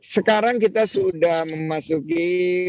sekarang kita sudah memasuki